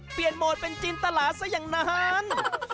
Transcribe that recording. เปลี่ยนโหมดเป็นจินตลาดซะอย่างนาน